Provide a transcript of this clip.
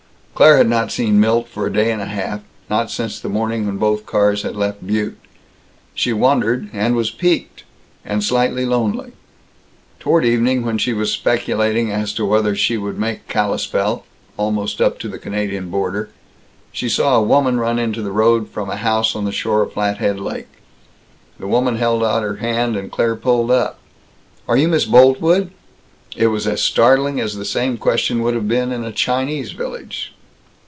Claire had not seen Milt for a day and a half; not since the morning when both cars had left Butte. She wondered, and was piqued, and slightly lonely. Toward evening, when she was speculating as to whether she would make Kalispell almost up to the Canadian border she saw a woman run into the road from a house on the shore of Flathead Lake. The woman held out her hand. Claire pulled up. "Are you Miss Boltwood?" It was as startling as the same question would have been in a Chinese village.